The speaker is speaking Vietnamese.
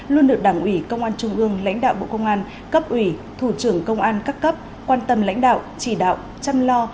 luôn được đảng ủy công an trung ương lãnh đạo bộ công an cấp ủy thủ trưởng công an các cấp quan tâm lãnh đạo chỉ đạo chăm lo